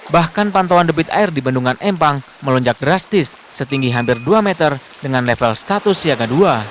bahkan pantauan debit air di bendungan empang melonjak drastis setinggi hampir dua meter dengan level status siaga dua